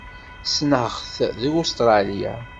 Ssneɣ-t deg Ustṛalya.